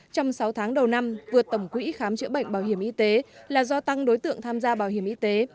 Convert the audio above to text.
trong sáu tháng đầu năm vượt tổng quỹ khám chữa bệnh bảo hiểm y tế là do tăng đối tượng tham gia bảo hiểm y tế